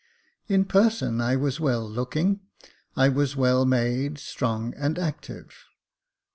In person I was well looking ; I was well made, strong, and active.